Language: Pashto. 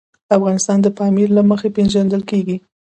افغانستان د پامیر له مخې پېژندل کېږي.